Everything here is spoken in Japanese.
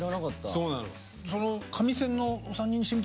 そうなの。